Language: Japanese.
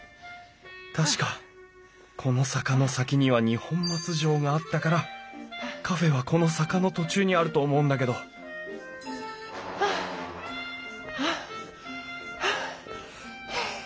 確かこの坂の先には二本松城があったからカフェはこの坂の途中にあると思うんだけどハアハアハアハアハアハア。